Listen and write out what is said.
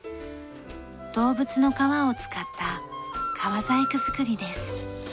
動物の革を使った革細工作りです。